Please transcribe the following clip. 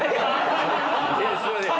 すいません